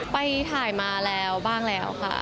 ไปถ่ายมาแล้วบ้างแล้วค่ะ